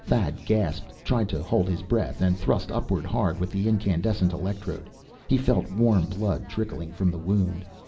Thad gasped, tried to hold his breath, and thrust upward hard with the incandescent electrode. He felt warm blood trickling from the wound.